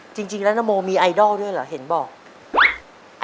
จริงแล้วนโมมีไอดอลด้วยเหรอเห็นบอก